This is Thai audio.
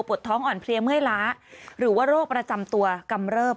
ท้องอ่อนเพลียเมื่อยล้าหรือว่าโรคประจำตัวกำเริบ